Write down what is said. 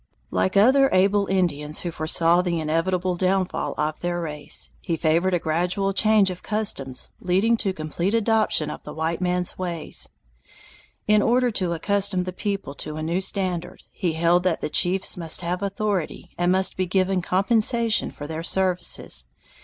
Like other able Indians who foresaw the inevitable downfall of their race, he favored a gradual change of customs leading to complete adoption of the white man's ways. In order to accustom the people to a new standard, he held that the chiefs must have authority and must be given compensation for their services.